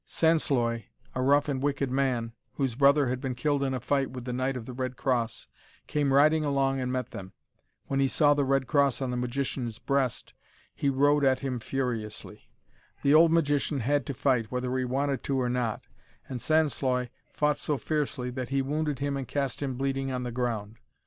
Sansloy, a rough and wicked man, whose brother had been killed in a fight with the Knight of the Red Cross, came riding along and met them. When he saw the red cross on the magician's breast he rode at him furiously. The old magician had to fight, whether he wanted to or not, and Sansloy fought so fiercely that he wounded him and cast him bleeding on the ground.